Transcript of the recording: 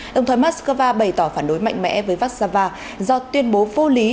đồng thời moscow bày tỏ phản đối mạnh mẽ với vassava do tuyên bố vô lý